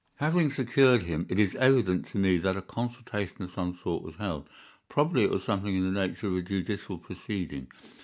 "Having secured him, it is evident to me that a consultation of some sort was held. Probably it was something in the nature of a judicial proceeding.